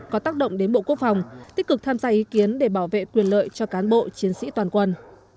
có tác động đến bộ quốc phòng tích cực tham gia ý kiến để bảo vệ quyền lợi cho cán bộ chiến sĩ toàn quân